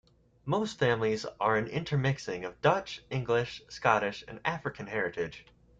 Most families are an intermixing of Dutch, English, Scottish, and African heritage.